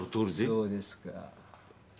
そうですか。